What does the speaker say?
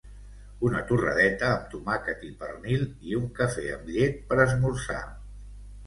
una torradeta amb tomàquet i pernil i un cafè amb llet per esmorzar